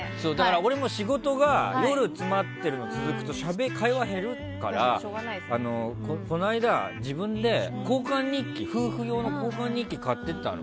俺も仕事が夜に詰まってると会話減るからこの間、自分で夫婦用の交換日記を買っていったの。